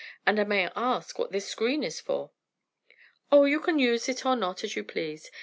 "And may I ask what this screen is for?" "Oh! you can use it or not as you please.